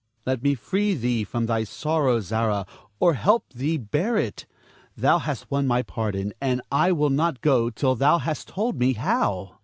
Let me free thee from thy sorrow, Zara, or help thee bear it. Thou hast won my pardon, and I will not go till thou hast told me how.